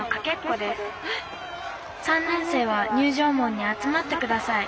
３年生は入場門に集まってください」。